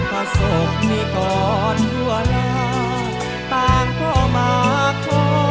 ประสบนี้ก่อนเวลาต่างเพราะมาขอ